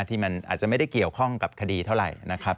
ที่มันอาจจะไม่ได้เกี่ยวข้องกับคดีเท่าไหร่นะครับ